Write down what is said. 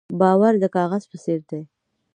باور د کاغذ په څېر دی.